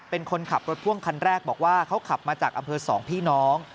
เป็นคนขับรถพ่วงคันแรกบอกว่าเขาขับมาจากอำเภอสองพี่น้อง